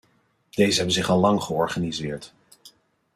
Deze hebben zich al lang georganiseerd.